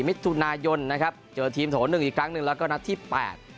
มิถุนายนนะครับเจอทีมโถหนึ่งอีกครั้งหนึ่งแล้วก็นัดที่แปด